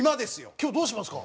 今日どうしますか？